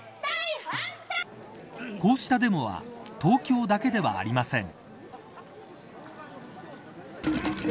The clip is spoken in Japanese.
こうしたデモは東京だけではありません。